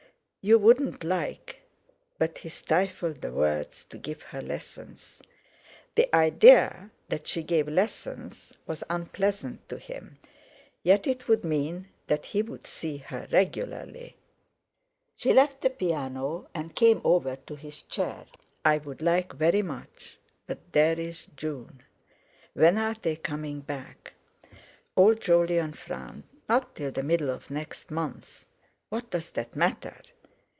"You wouldn't like—" but he stifled the words "to give her lessons." The idea that she gave lessons was unpleasant to him; yet it would mean that he would see her regularly. She left the piano and came over to his chair. "I would like, very much; but there is—June. When are they coming back?" Old Jolyon frowned. "Not till the middle of next month. What does that matter?"